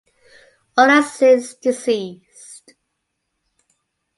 All are since deceased.